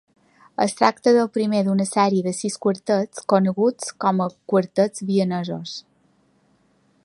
Es tracta del primer d'una sèrie de sis quartets, coneguts com a Quartets vienesos.